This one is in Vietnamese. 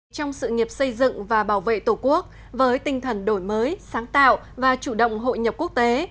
trong sự nghiệp xây dựng và bảo vệ tổ quốc với tinh thần đổi mới sáng tạo và chủ động hội nhập quốc tế